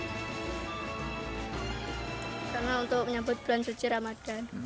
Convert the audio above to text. karena untuk menyambut bulan suci ramadan